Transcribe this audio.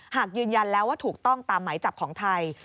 หากยืนยันแล้วว่าถูกต้องตามหมายจับของไทย